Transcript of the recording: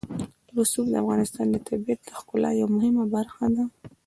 رسوب د افغانستان د طبیعت د ښکلا یوه مهمه برخه ده.